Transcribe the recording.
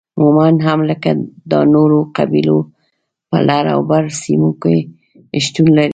مومند هم لکه دا نورو قبيلو په لر او بر سیمو کې شتون لري